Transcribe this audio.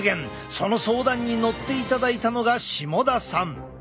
その相談に乗っていただいたのが下田さん。